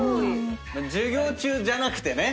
授業中じゃなくてね。